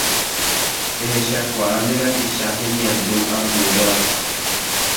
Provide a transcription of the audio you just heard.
Ehechakuaa nde rapicha hemiandu ambuévape.